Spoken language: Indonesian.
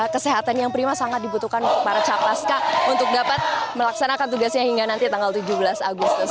kesehatan yang prima sangat dibutuhkan untuk para capaska untuk dapat melaksanakan tugasnya hingga nanti tanggal tujuh belas agustus